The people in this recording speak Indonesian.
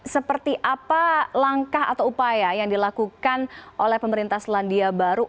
seperti apa langkah atau upaya yang dilakukan oleh pemerintah selandia baru